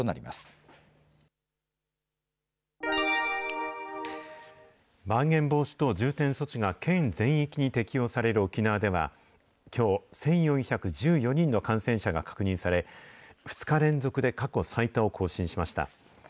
まん延防止等重点措置が県全域に適用される沖縄では、きょう、１４１４人の感染者が確認され、２日連続で過去最多を更新しました。